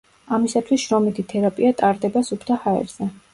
ამისათვის შრომითი თერაპია ტარდება სუფთა ჰაერზე.